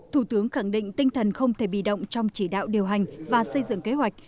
thủ tướng khẳng định tinh thần không thể bị động trong chỉ đạo điều hành và xây dựng kế hoạch